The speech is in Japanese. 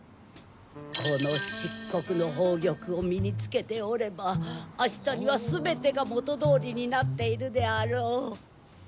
この漆黒の宝玉を身につけておれば明日にはすべてが元どおりになっているであろう。